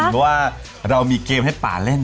เพราะว่าเรามีเกมให้ป่าเล่น